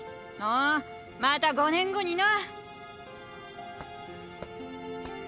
おまた５年後にな。